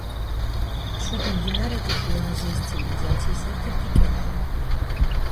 შვიდმდინარეთი შუა აზიის ცივილიზაციის ერთ-ერთი კერა იყო.